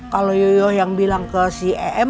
kalau yoyoh yang bilang ke si em